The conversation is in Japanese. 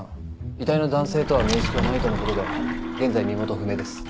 遺体の男性とは面識はないとの事で現在身元不明です。